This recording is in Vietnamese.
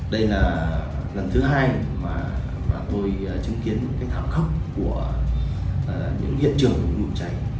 đây là lần thứ hai mà tôi chứng kiến cái thảm khốc của những hiện trường của lực lượng cháy